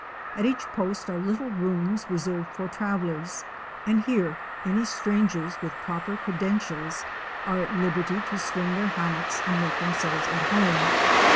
At each post are little rooms reserved for travellers, and here any strangers with proper credentials are at liberty to swing their hammocks and make themselves at home.